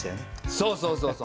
そうそうそうそう。